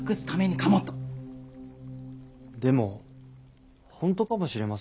でも本当かもしれませんよ。